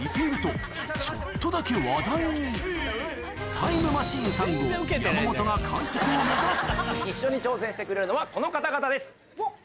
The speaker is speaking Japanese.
タイムマシーン３号・山本が完食を目指す